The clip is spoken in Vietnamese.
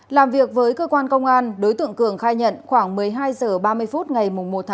làm việc với cơ quan công an đối tượng cường khai nhận khoảng một mươi hai h ba mươi phút ngày một tháng một